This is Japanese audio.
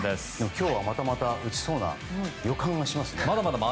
今日はまだまだ打ちそうな予感がしますね。